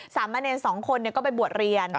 สามเมรนดิ์สองคนก็ไปบวชเรียน